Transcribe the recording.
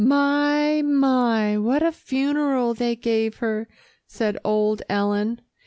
"My! my! what a funeral they gave her," said old Ellen.